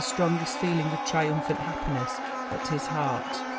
strongest feeling of triumphant happiness at his heart.